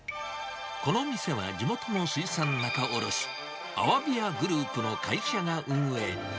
この店は地元の水産仲卸、鮑屋グループの会社が運営。